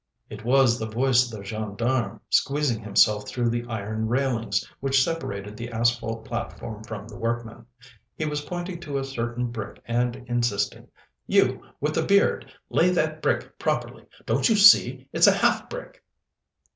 It was the voice of the gendarme, squeezing himself through the iron railings, which separated the asphalt platform from the workmen; he was pointing to a certain brick and insisting: "You with the beard! lay that brick properly. Don't you see, it's a half brick?"